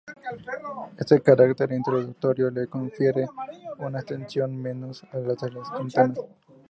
Este carácter introductorio le confiere una extensión menor a la de las cantatas.